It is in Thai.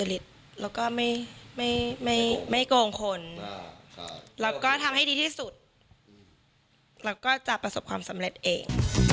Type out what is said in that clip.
เราก็จะประสบความสำเร็จเอง